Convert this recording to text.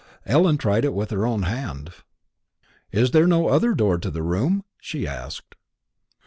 Ellen tried it with her own hand. "Is there no other door to the room?" she asked.